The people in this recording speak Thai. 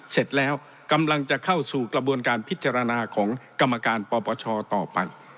เสร็จแล้วกำลังจะเข้าสู่กระบวนการพิจารณาของกรรมการปปชต่อไป